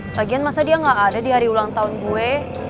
bagian masa dia gak ada di hari ulang tahun gue